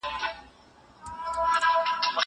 زه پرون تمرين کوم!